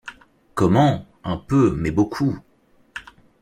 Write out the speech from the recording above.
Comment, un peu, mais beaucoup!...